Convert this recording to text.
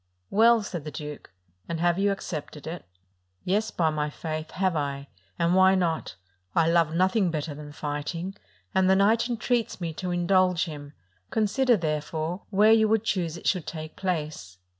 "Well," said the duke, "and have you ac cepted it?" "Yes, by my faith, have I: and why not? I love nothing better than fighting, and the knight entreats me to indulge him: consider, therefore, where you would choose it should take place."